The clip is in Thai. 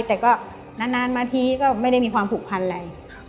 แต่ก็นานมาทีก็ไม่ได้มีความผูกพันอะไร